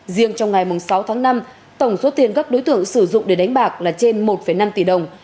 riêng trong ngày sáu tháng năm tổng số tiền các đối tượng sử dụng để đánh bạc là trên một năm tỷ đồng